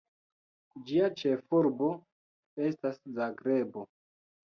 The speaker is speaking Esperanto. Ĝia ĉefurbo estas Zagrebo.